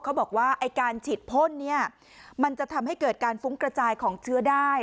เขาบอกว่าไอ้การฉีดพ่นเนี่ยมันจะทำให้เกิดการฟุ้งกระจายของเชื้อได้